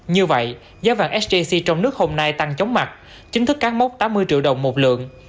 như vậy giá vàng sjc trong nước hôm nay tăng chóng mặt chính thức cán mốc tám mươi triệu đồng một lượng